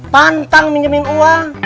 pantang minjemin uang